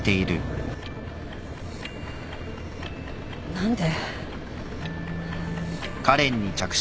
何で。